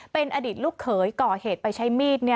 เป็นอดีตลูกเขยก่อเหตุไปใช้มีด